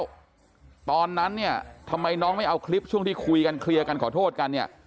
แล้วตอนนั้นเนี่ยทำไมน้องไม่เอาคลิปช่วงที่คุยกันเคลียร์กันขอโทษกันเนี่ย